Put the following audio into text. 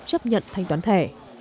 chấp nhận thanh toán thẻ